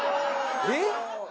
えっ？